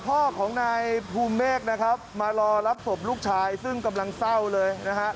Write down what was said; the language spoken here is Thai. พ่อของนายภูมิเมฆนะครับมารอรับศพลูกชายซึ่งกำลังเศร้าเลยนะฮะ